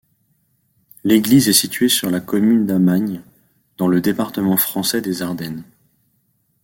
L'église est située sur la commune d'Amagne, dans le département français des Ardennes.